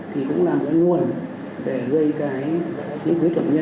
thì cũng là một nguồn để gây những dịch lọc nhiễm